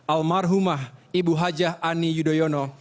almarhumah ibu hajah ani yudhoyono